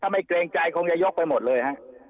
ไม่เกรงใจคงจะยกไปหมดเลยฮะ